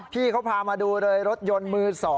พี่เขาพามาดูเลยรถยนต์มือ๒